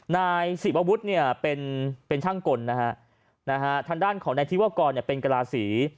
นายศิรวรวุฒิเป็นช่างกลทางด้านของนายธิวรกรเป็นกราศรี